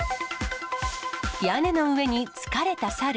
屋根の上に疲れたサル？